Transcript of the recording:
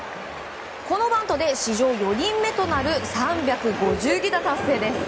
このバントで史上４人目となる３５０犠打達成です。